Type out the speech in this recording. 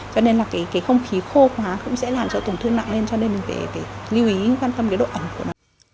cho nên là cái không khí khô khóa cũng sẽ làm cho tổn thương nặng lên cho nên mình phải lưu ý quan tâm cái độ ẩm của nó